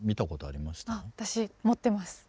あっ私持ってます。